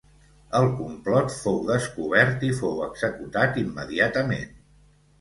El complot fou descobert i fou executat immediatament.